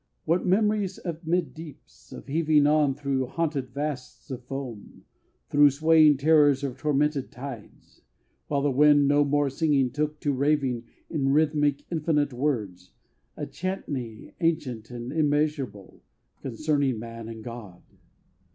What memories of mid deeps!... Of heaving on thro haunted vasts of foam, Thro swaying terrors of tormented tides; While the wind, no more singing, took to raving, In rhythmic infinite words, A chantey ancient and immeasurable Concerning man and God.